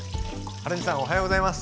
はるみさんおはようございます。